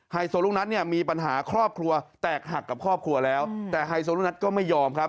โซลูกนัทเนี่ยมีปัญหาครอบครัวแตกหักกับครอบครัวแล้วแต่ไฮโซลูกนัทก็ไม่ยอมครับ